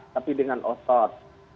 tapi dengan otot